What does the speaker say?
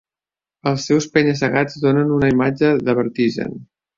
Els seus penya-segats donen una imatge de vertigen.